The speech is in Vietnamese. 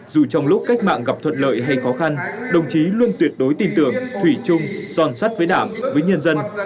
dù trong lúc cách mạng gặp thuận lợi hay khó khăn đồng chí luôn tuyệt đối tin tưởng thủy chung son sắt với đảng với nhân dân